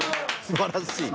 「すばらしい！」。